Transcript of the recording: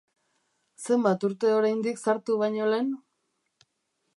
Zenbat urte oraindik zahartu baino lehen?